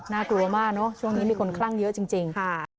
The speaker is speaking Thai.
น่ากลัวมากเนอะช่วงนี้มีคนคลั่งเยอะจริง